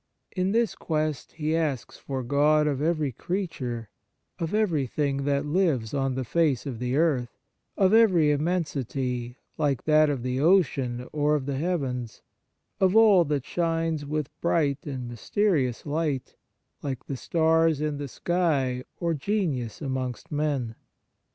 In this quest he asks for God of every creature, of everything that lives on the face of the earth, of every immensity, like that of the ocean or of the heavens, of all that shines with bright and mysterious light, like the stars in the sky or genius amongst men.